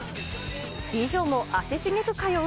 美女も足しげく通う？